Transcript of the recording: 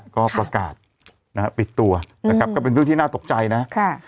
ก็ประกาศนะฮะปิดตัวนะครับก็เป็นเรื่องที่น่าตกใจนะ